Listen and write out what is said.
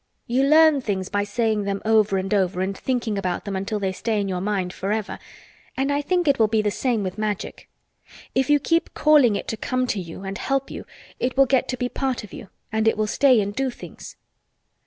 You learn things by saying them over and over and thinking about them until they stay in your mind forever and I think it will be the same with Magic. If you keep calling it to come to you and help you it will get to be part of you and it will stay and do things."